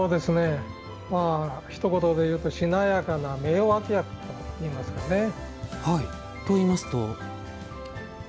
ひと言で言うとしなやかな名わき役といいますかね。といいますと？